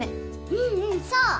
うんうんそう！